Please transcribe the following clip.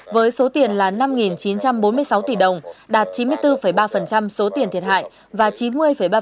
với số tiền là năm chín trăm bốn mươi sáu tỷ đồng đạt chín mươi bốn ba số tiền thiệt hại và chín mươi ba số tiền tạm cấp